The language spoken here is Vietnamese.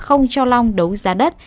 không cho long đấu giá đất